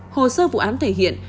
hồ sơ vụ án thể hiện